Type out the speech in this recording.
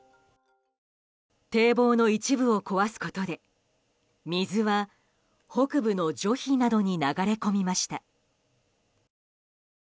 堤防の一部を壊すことで水は北部のジョヒなどに流れ込みました。